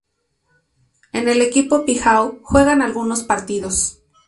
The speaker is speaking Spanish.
En el equipo "Pijao" juega algunos partidos.